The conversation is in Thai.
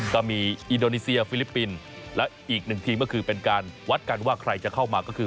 ก็มีอินโดนีเซียฟิลิปปินส์และอีกหนึ่งทีมก็คือเป็นการวัดกันว่าใครจะเข้ามาก็คือ